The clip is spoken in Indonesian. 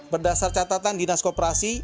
berdasar catatan dinas koperasi